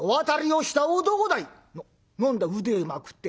「何だ腕まくって。